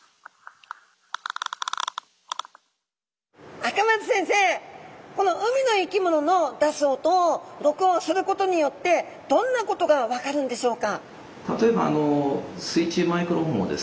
赤松先生この海の生き物の出す音を録音することによってどんなことが分かるんでしょうか？